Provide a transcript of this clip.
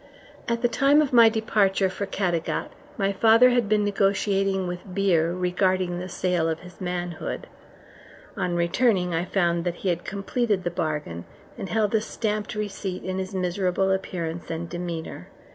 At the time of my departure for Caddagat my father had been negotiating with beer regarding the sale of his manhood; on returning I found that he had completed the bargain, and held a stamped receipt in his miserable appearance and demeanour.